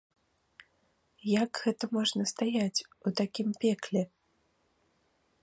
Як гэта можна стаяць у такім пекле?